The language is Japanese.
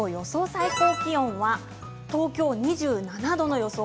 最高気温は東京２７度の予想。